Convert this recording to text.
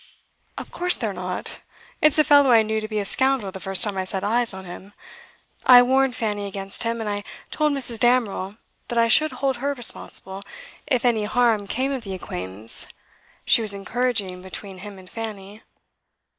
'Of course they're not. It's a fellow I knew to be a scoundrel the first time I set eyes on him. I warned Fanny against him, and I told Mrs. Damerel that I should hold her responsible if any harm came of the acquaintance she was encouraging between him and Fanny.